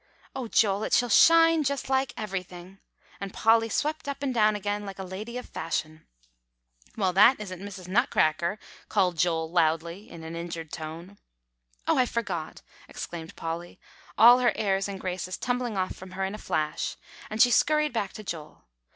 O Joel, it shall shine just like everything!" and Polly swept up and down again like a lady of fashion. "Well, that isn't Mrs. Nutcracker," called Joel loudly, in an injured tone. "Oh, I forgot!" exclaimed Polly, all her airs and graces tumbling off from her in a flash, and she skurried back to Joel.